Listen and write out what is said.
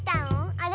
あれ？